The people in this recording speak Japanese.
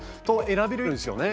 選べるんですよね。